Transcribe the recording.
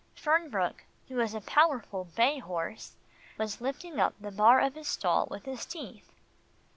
Fernbrook, who is a powerful bay horse, was lifting up the bar of his stall with his teeth.